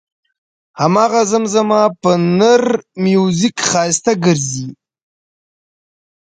هماغه زمزمه په نر میوزیک ښایسته ګرځي.